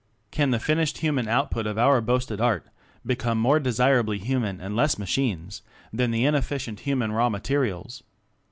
Can the finished human output of our boasted Art become more desir ably Human and less machines than the inefficient human raw materials?